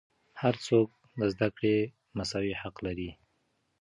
هر څوک د زدهکړې مساوي حق لري.